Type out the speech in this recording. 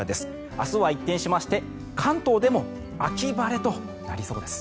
明日は一転しまして関東でも秋晴れとなりそうです。